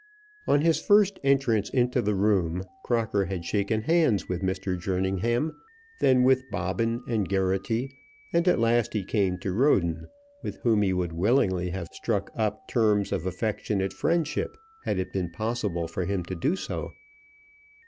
On his first entrance into the room Crocker had shaken hands with Mr. Jerningham, then with Bobbin and Geraghty, and at last he came to Roden, with whom he would willingly have struck up terms of affectionate friendship had it been possible for him to do so.